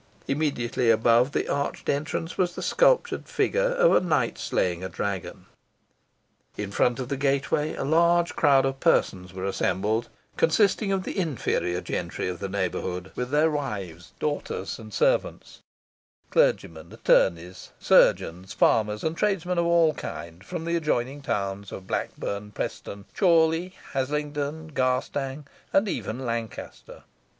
Immediately above the arched entrance was the sculptured figure of a knight slaying a dragon. In front of the gateway a large crowd of persons were assembled, consisting of the inferior gentry of the neighbourhood, with their wives, daughters, and servants, clergymen, attorneys, chirurgeons, farmers, and tradesmen of all kind from the adjoining towns of Blackburn, Preston, Chorley, Haslingden, Garstang, and even Lancaster.